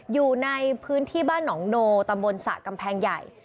อยู่ในพื้นที่บ้านหนองโนตำบลสระกำแพงใหญ่